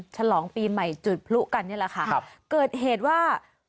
ฉลองปีใหม่จุดพลุกันนี่แหละค่ะครับเกิดเหตุว่า